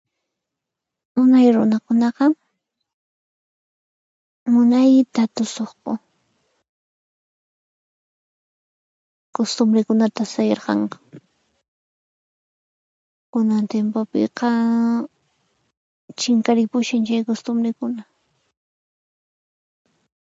Unay runakunaqa munayta tusuqku, kustumbrikunata sayarqanku kunan tiempupiqamm chinkaripushan chay costubrikuna.